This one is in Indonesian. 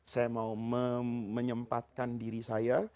saya mau menyempatkan diri saya